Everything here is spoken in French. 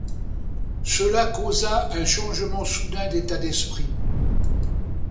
Cela causa un changement soudain d'état d'esprit.